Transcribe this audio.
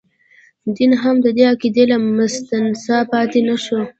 دین هم د دې قاعدې له مستثنا پاتې نه شو.